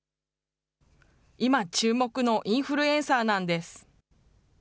今、注目のインフルエンサーなんです。